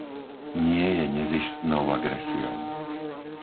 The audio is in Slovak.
Nie je nezištnou agresiou.